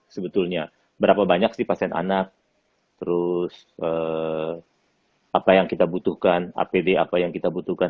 sebetulnya berapa banyak sih pasien anak terus apa yang kita butuhkan apd apa yang kita butuhkan